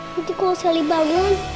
nanti kalau seli bangun